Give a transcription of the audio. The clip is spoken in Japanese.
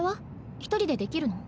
一人でできるの？